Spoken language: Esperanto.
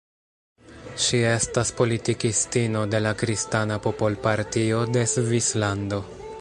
Ŝi estas politikistino de la Kristana popol-partio de Svislando.